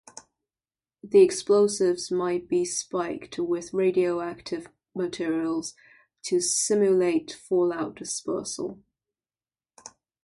The explosives might be spiked with radioactive materials to simulate fallout dispersal.